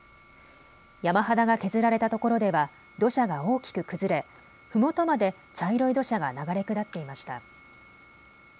山肌が削られたところでは土砂が大きく崩れ、ふもとまで茶色い土砂が流れ下っていました。